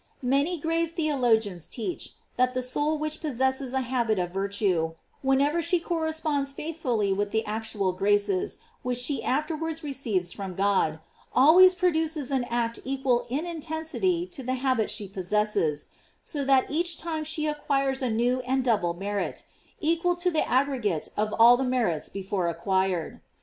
J Many grave theologians teach, that the soul which possesses a habit of virtue, whenever she corresponds faithfully with the actual graces which she afterwards receives from God, always produces an act equal in intensity to the habit she possesses; so that each time she acquires a new and double merit, equal to the aggregate of all the merits before acquired.